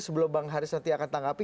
sebelum bang haris nanti akan tanggapi